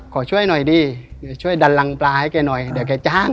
ขอช่วยหน่อยดีเดี๋ยวช่วยดันรังปลาให้แกหน่อยเดี๋ยวแกจ้าง